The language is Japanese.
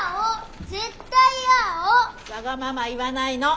わがまま言わないの！